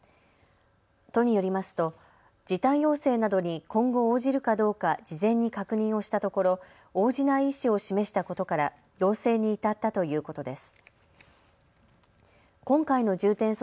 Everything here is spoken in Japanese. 都によりますと時短要請などに今後、応じるかどうか事前に確認をしたところ応じない意思を示したことから要請に至ったということです。